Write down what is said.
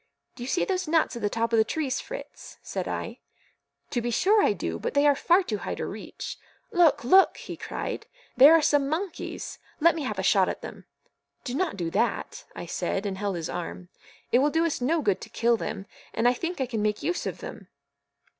"Do you see those nuts at the top of the trees, Fritz?" said I. "To be sure I do; but they are far too high to reach. Look, look!" he cried, "there are some MON KEYS; let me have a shot at them." "Do not do that," I said, and held his arm; "it will do us no good to kill them, and I think I can make use of them."